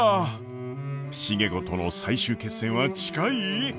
重子との最終決戦は近い？